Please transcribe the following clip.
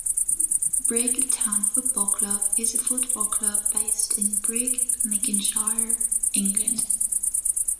Brigg Town Football Club is a football club based in Brigg, Lincolnshire, England.